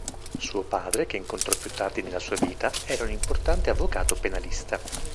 Suo padre, che incontrò più tardi nella sua vita, era un importante avvocato penalista.